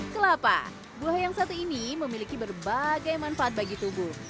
kelapa buah yang satu ini memiliki berbagai manfaat bagi tubuh